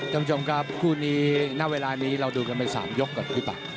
ท่านผู้ชมครับคู่นี้ณเวลานี้เราดูกันไป๓ยกก่อนพี่ปาก